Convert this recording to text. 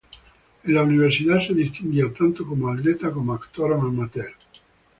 En la universidad se distinguió tanto como atleta como actor amateur.